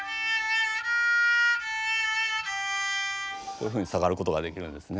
こういうふうに下がることができるんですね。